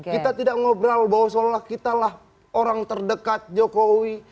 kita tidak ngobrol bahwa seolah olah kitalah orang terdekat jokowi